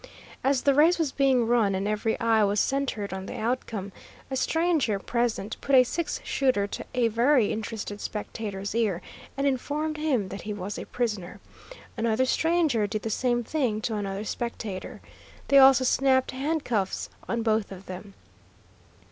As the race was being run and every eye was centred on the outcome, a stranger present put a six shooter to a very interested spectator's ear, and informed him that he was a prisoner. Another stranger did the same thing to another spectator. They also snapped handcuffs on both of them.